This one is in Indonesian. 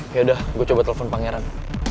yaudah gue coba telepon pangeran